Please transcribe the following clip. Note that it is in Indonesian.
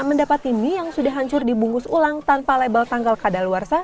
mendapati mie yang sudah hancur dibungkus ulang tanpa label tanggal kadal luarsa